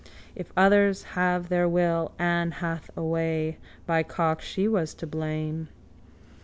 If others have their will Ann hath a way. By cock, she was to blame.